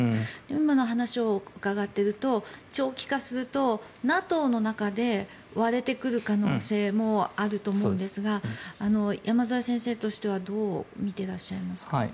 今のお話を伺っていると長期化するとＮＡＴＯの中で割れてくる可能性もあると思うんですが山添先生としてはどう見ていらっしゃいますか？